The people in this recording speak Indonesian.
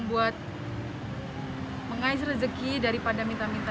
buat mengais rezeki daripada minta minta